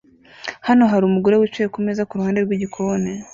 Hano hari umugore wicaye kumeza kuruhande rwigikoni